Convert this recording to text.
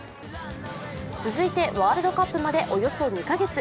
続いてワールドカップまでおよそ２か月。